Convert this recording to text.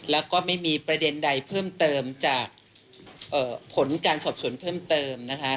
แล้วก็ไม่มีประเด็นใดเพิ่มเติมจากผลการสอบสวนเพิ่มเติมนะคะ